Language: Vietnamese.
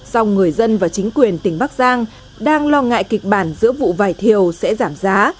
song người dân và chính quyền tỉnh bắc giang đang lo ngại kịch bản giữa vụ vải thiều sẽ giảm giá